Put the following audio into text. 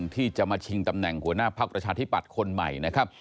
ที่จะมาชิงตำแหน่งหัวหน้าพักประชาธิปัตย์คนใหม่นะครับ